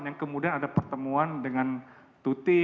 yang kemudian ada pertemuan dengan tuti